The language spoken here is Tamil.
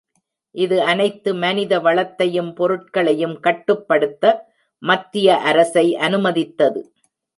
இது அனைத்து மனிதவளத்தையும் பொருட்களையும் கட்டுப்படுத்த மத்திய அரசை அனுமதித்தது.